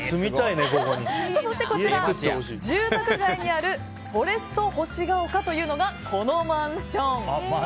そしてこちら、住宅街にあるフォレスト星が丘というのがこのマンション。